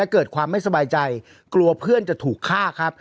เกิดความไม่สบายใจกลัวเพื่อนจะถูกฆ่าครับ